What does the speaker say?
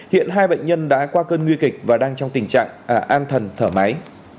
hiện hai bệnh nhân đã qua cơn nguy kịch và đang trong tình trạng an thần thở máy